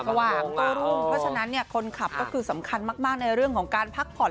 เพราะฉะนั้นคนขับสำคัญมากในเรื่องของการพักผ่อน